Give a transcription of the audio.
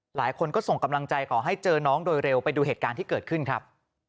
หลายคนก็ส่งกำลังใจขอให้เจอน้องโดยเร็วไปดูเหตุการณ์ที่เกิดขึ้นครับ